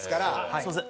すみません。